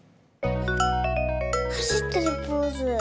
はしってるポーズ。